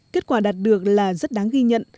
kết quả đạt được là rất đáng ghi nhận